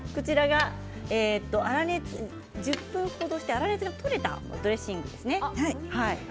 １０分程して、粗熱が取れたドレッシングですね。